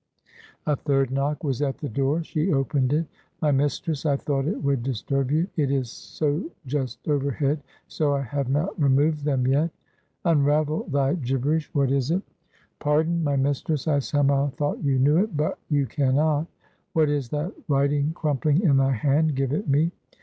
A third knock was at the door. She opened it. "My mistress, I thought it would disturb you, it is so just overhead, so I have not removed them yet." "Unravel thy gibberish! what is it?" "Pardon, my mistress, I somehow thought you knew it, but you can not." "What is that writing crumpling in thy hand? Give it me."